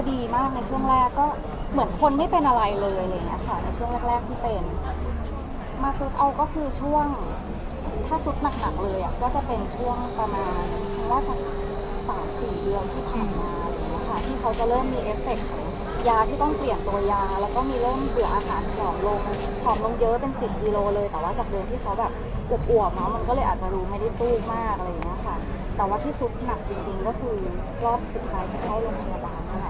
ดีมากในช่วงแรกก็เหมือนคนไม่เป็นอะไรเลยอะไรอย่างเงี้ยค่ะในช่วงแรกแรกที่เป็นมาซุดเอาก็คือช่วงถ้าซุดหนักหนักเลยอ่ะก็จะเป็นช่วงประมาณว่าสักสามสี่เดือนที่ผ่านมาอยู่นะคะที่เขาจะเริ่มมีเอฟเฟคต์ยาที่ต้องเปลี่ยนตัวยาแล้วก็มีเริ่มเผื่ออาหารผอมลงผอมลงเยอะเป็นสิบกิโลเลยแต่ว่าจากเดือนที่เขาแบบหลบหวบ